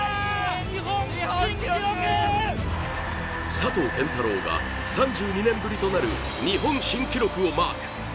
佐藤拳太郎が３２年ぶりとなる日本新記録をマーク。